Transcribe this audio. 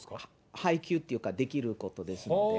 配給っていうか、できることですので。